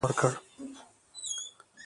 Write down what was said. خو د امیر یوې اشتباه دوی ته فرصت په لاس ورکړ.